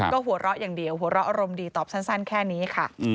ก็หัวเราะอย่างเดียวหัวเราะอารมณ์ดีตอบสั้นแค่นี้ค่ะ